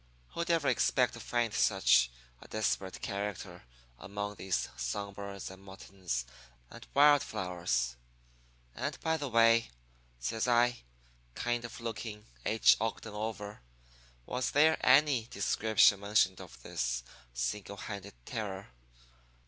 Who'd ever expect to find such a desperate character among these song birds and muttons and wild flowers? And, by the way,' says I, kind of looking H. Ogden over, 'was there any description mentioned of this single handed terror?